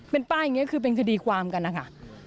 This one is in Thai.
เป็นป้ายอย่างนี้คือเป็นคดีความกันนะคะ